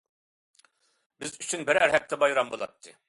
بىز ئۈچۈن بىرەر ھەپتە بايرام بولاتتى.